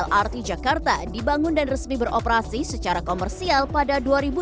lrt jakarta dibangun dan resmi beroperasi secara komersial pada dua ribu dua puluh